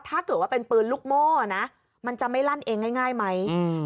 ถ้าเกิดว่าเป็นปืนลูกโม่นะมันจะไม่ลั่นเองง่ายไหม